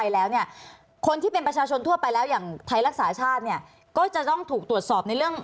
แล้วอย่างไทยรักษาชาติเนี่ยก็จะต้องถูกตรวจสอบในเรื่อง